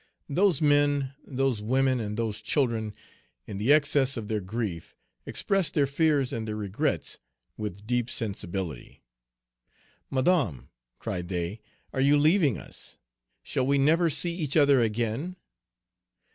Those men, those women, and those children, in the excess of their grief, expressed their fears and their regrets with deep sensibility. "Madame," cried they, "are you leaving us? Shall we never see each other again?"